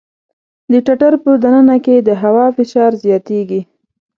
د ټټر په د ننه کې د هوا فشار زیاتېږي.